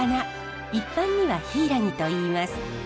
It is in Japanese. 一般にはヒイラギといいます。